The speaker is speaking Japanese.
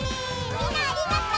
みんなありがとう！